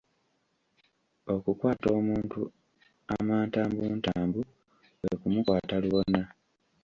Okukwata omuntu amantambutambu kwe ku mukwata lubona.